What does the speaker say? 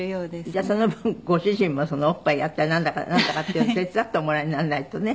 じゃあその分ご主人もおっぱいやったりなんとかっていうの手伝っておもらいにならないとね。